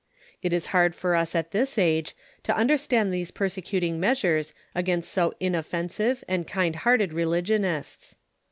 It is hard for us at this age to understand these persecuting measures against so inoffensive and kind hearted religionists.